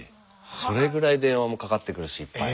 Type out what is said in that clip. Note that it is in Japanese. それぐらい電話もかかってくるしいっぱい。